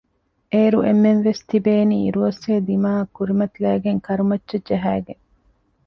އޭރު އެންމެންވެސް ތިބޭނީ އިރުއޮއްސޭ ދިމާއަށް ކުރިމަތިލައިގެން ކަރުމައްޗަށް ޖަހައިގެން